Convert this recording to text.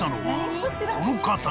［この方］